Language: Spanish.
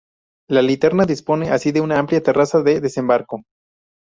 La linterna dispone así de una amplia terraza de desembarco.